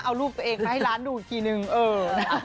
เอารูปตัวเองมาให้ร้านดูอีกทีนึงเออนะ